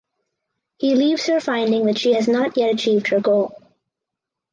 He leaves her finding that she has not yet achieved her goal.